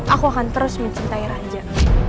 aku akan terus mencintai raja